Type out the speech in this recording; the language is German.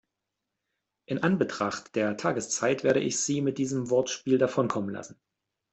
In Anbetracht der Tageszeit werde ich Sie mit diesem Wortspiel davonkommen lassen.